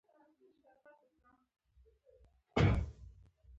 هغه غوښتل ورته وښيي چې په کاروبار کې د شريکېدو په نيت راغلی دی.